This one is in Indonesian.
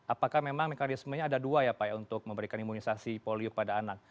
apakah memang mekanismenya ada dua ya pak ya untuk memberikan imunisasi polio pada anak